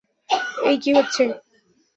এই কি হচ্ছে?